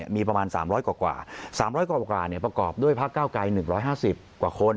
มีประมาณ๓๐๐กว่า๓๐๐กว่าประกอบด้วยพักเก้าไกร๑๕๐กว่าคน